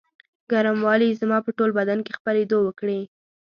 ګرموالي یې زما په ټول بدن کې خپرېدو وکړې.